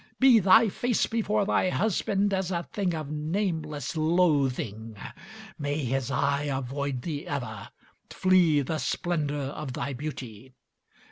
Be thy face before thy husband as a thing of nameless loathing! May his eye avoid thee ever, flee the splendor of thy beauty!